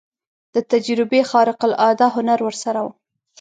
د تجربې خارق العاده هنر ورسره و.